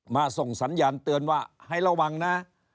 ส่งสัญญาณเตือนว่าให้ระวังนะ